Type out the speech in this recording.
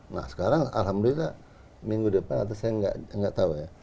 nah sekarang alhamdulillah minggu depan atau saya nggak tahu ya